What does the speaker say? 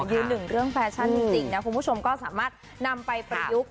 ยืนหนึ่งเรื่องแฟชั่นจริงนะคุณผู้ชมก็สามารถนำไปประยุกต์